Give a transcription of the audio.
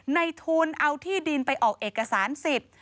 ในทุนเอาที่ดินไปออกเอกสารสิทธิ์